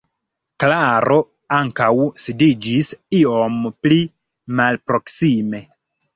Klaro ankaŭ sidiĝis iom pli malproksime.